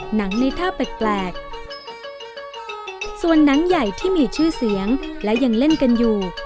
หนังในท่าแปลกแปลกส่วนหนังใหญ่ที่มีชื่อเสียงและยังเล่นกันอยู่